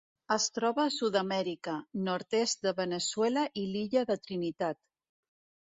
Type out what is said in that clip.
Es troba a Sud-amèrica: nord-est de Veneçuela i l'illa de Trinitat.